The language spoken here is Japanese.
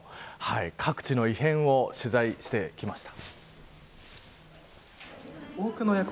各地の異変を取材してきました。